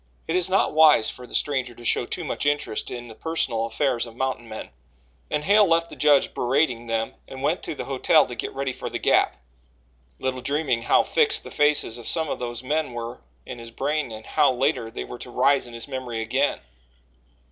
It is not wise for the stranger to show too much interest in the personal affairs of mountain men, and Hale left the judge berating them and went to the hotel to get ready for the Gap, little dreaming how fixed the faces of some of those men were in his brain and how, later, they were to rise in his memory again.